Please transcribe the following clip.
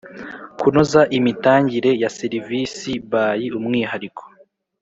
kunoza imitangire ya serivisi by ‘umwihariko.